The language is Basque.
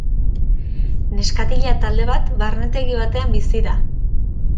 Neskatila talde bat barnetegi batean bizi da.